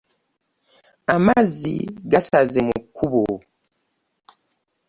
Amazzi gasaze mu kubo.